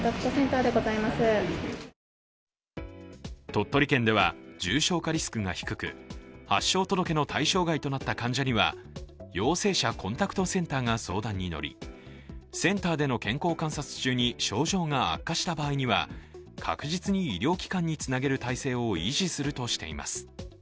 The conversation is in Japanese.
鳥取県では重症化リスクが低く、発症届の対象外となった患者には陽性者コンタクトセンターが相談に乗り、センターでの健康観察中に症状が悪化した場合には確実に医療機関につなげる体制を維持するとしています。